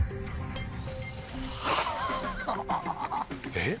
えっ？